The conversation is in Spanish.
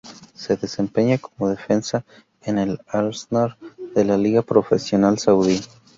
Se desempeña como defensa en el Al-Nassr de la Liga Profesional Saudí.